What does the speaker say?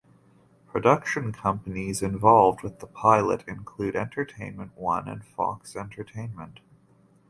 Production companies involved with the pilot include Entertainment One and Fox Entertainment.